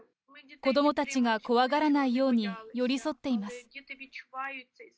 子どもたちが怖がらないように寄り添っています。